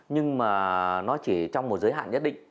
nhưng mà nó chỉ trong một giới hạn nhất định